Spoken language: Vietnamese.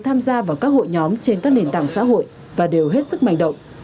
trên các nền tảng xã hội và đều hết sức mạnh động